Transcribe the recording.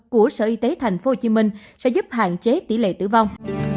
của sở y tế thành phố hồ chí minh sẽ giúp hạn chế tỷ lệ tử vong